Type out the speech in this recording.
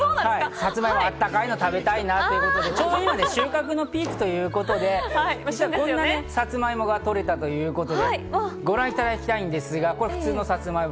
サツマイモ、温かいのを食べたいなということで今収穫のピークということで、こんなサツマイモがとれたということでご覧いただきたいんですが、こちらが普通のサツマイモ。